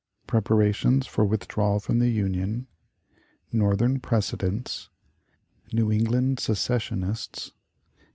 Preparations for withdrawal from the Union. Northern Precedents. New England Secessionists.